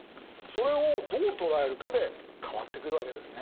それをどう捉えるかで変わってくるわけですね。